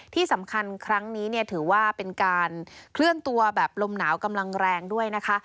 ที่สำคัญครั้งนี้เนี่ยถือว่าเป็นการเคลื่อนตัวแบบลมหนาวกำลังแรงด้วยนะคะ